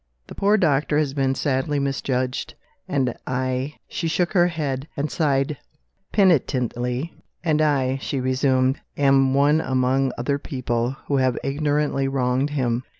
The poor doctor has been sadly misjudged; and I" she shook her head, and sighed penitently "and, I," she resumed, "am one among other people who have ignorantly wronged him.